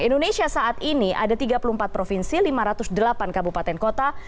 indonesia saat ini ada tiga puluh empat provinsi lima ratus delapan kabupaten kota